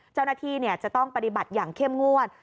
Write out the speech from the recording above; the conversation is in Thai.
เจ้าหน้าที่จะต้องปฏิบัติอย่างเข้มงวด